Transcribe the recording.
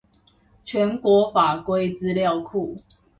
全國法規資料庫